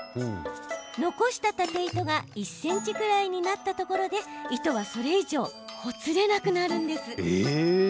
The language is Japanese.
残した縦糸が１ｃｍくらいになったところで糸はそれ以上ほつれなくなるんです。